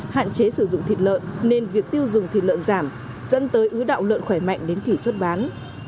hạn chế sử dụng thịt lợn nên việc tiêu dùng thịt lợn giảm dẫn tới ứ đạo lợn khỏe mạnh đến kỷ xuất bán